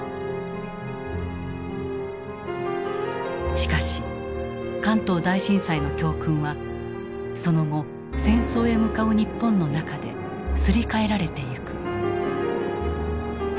しかし関東大震災の教訓はその後戦争へ向かう日本の中ですり替えられていく。